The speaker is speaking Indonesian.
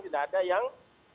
tidak ada yang